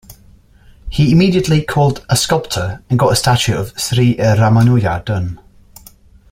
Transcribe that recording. He immediately called a sculptor and got a statue of Sri Ramanuja done.